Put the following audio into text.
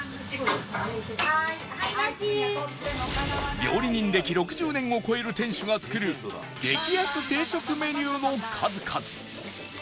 料理人歴６０年を超える店主が作る激安定食メニューの数々